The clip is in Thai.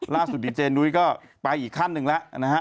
ดีเจนุ้ยก็ไปอีกขั้นหนึ่งแล้วนะฮะ